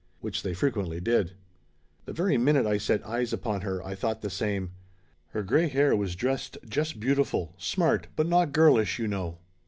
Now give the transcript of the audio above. Which they frequently did. The very minute I set eyes upon her I thought the same. Her gray hair was dressed just beautiful smart, but not girlish, you know.